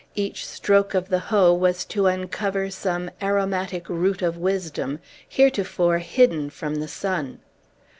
Each stroke of the hoe was to uncover some aromatic root of wisdom, heretofore hidden from the sun.